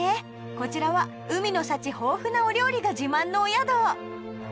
こちらは海の幸豊富なお料理が自慢のお宿